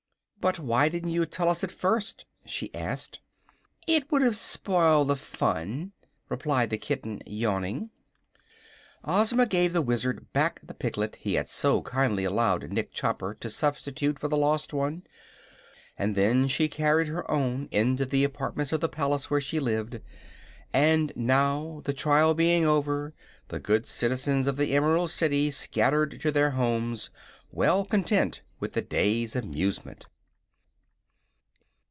"But why didn't you tell us at first?" she asked. "It would have spoiled the fun," replied the kitten, yawning. Ozma gave the Wizard back the piglet he had so kindly allowed Nick Chopper to substitute for the lost one, and then she carried her own into the apartments of the palace where she lived. And now, the trial being over, the good citizens of the Emerald City scattered to their homes, well content with the day's amusement.